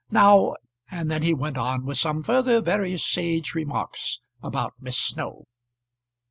Now " And then he went on with some further very sage remarks about Miss Snow.